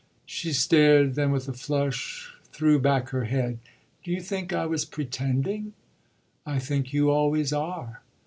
She stared, then with a flush threw back her head. "Do you think I was pretending?" "I think you always are.